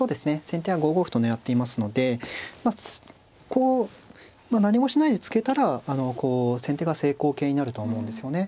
先手は５五歩と狙っていますのでこう何もしないで突けたら先手が成功形になると思うんですよね。